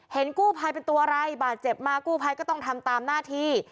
กู้ภัยเป็นตัวอะไรบาดเจ็บมากู้ภัยก็ต้องทำตามหน้าที่